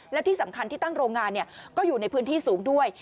และที่สำคัญที่ตั้งโรงงานก็อยู่ในพื้นที่สูงด้วย